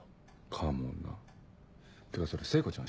かもなってかそれ聖子ちゃん